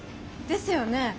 ですよね！